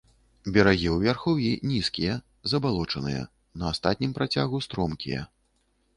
Берагі ў вярхоўі нізкія, забалочаныя, на астатнім працягу стромкія.